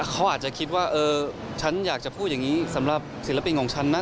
เขาอาจจะคิดว่าเออฉันอยากจะพูดอย่างนี้สำหรับศิลปินของฉันนะ